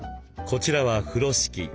こちらは風呂敷。